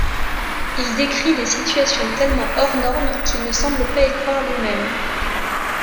Il décrit des situations tellement hors-norme qu'il ne semble pas y croire lui-même.